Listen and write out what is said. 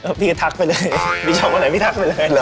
ชอบคนอะไรพี่จะทักไปเลย